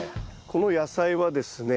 この野菜はですね